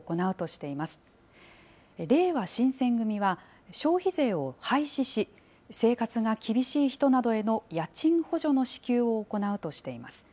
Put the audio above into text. れいわ新選組は、消費税を廃止し、生活が厳しい人などへの家賃補助の支給を行うとしています。